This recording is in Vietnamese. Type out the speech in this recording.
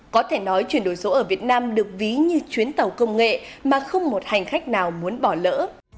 có thể nói chuyển đổi số ở việt nam được ví như chuyến tàu công nghệ mà không một hành khách nào muốn bỏ lỡ